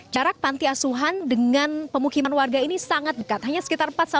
jarak pantai asuhan dengan pemukiman warga ini sangat dekat hanya sekitar empat sampai lima meter saja